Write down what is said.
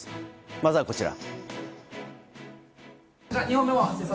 まずは、こちら。